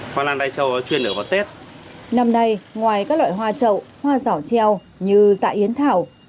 hoa lan đai trâu chuyên ở vào tết năm nay ngoài các loại hoa trậu hoa dỏ treo như dại yến thảo